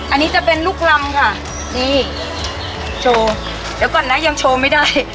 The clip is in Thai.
อันนี้จะเป็นลูกลำค่ะนี่โชว์เดี๋ยวก่อนนะยังโชว์ไม่ได้